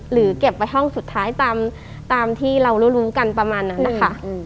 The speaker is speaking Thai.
เก็บไว้ห้องสุดท้ายตามที่เรารู้กันประมาณนั้นนะคะ